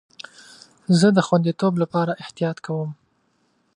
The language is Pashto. زه د خوندیتوب لپاره احتیاط کوم.